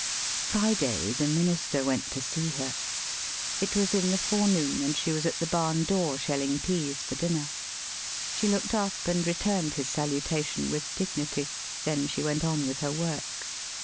] Friday the minister went to see her. It was in the forenoon, and she was at the barn door shelling pease for dinner. She looked up and returned his salutation with dignity, then she went on with her work.